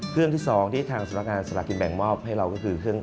เครื่องที่สองที่ทางสลักการณ์สลักกินแบ่งมอบให้เราก็คือ